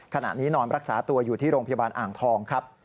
ขณะนี้นอนรักษาตัวอยู่ที่โรงพยาบาลอ่างทองครับ